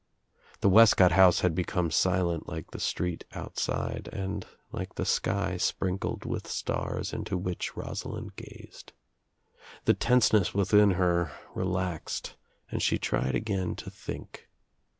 The Wescott house had become silent like the street outside and like the sky sprinkled with stars into which Rosalind gazed. The tenseness within her relaxed and she tried again to think.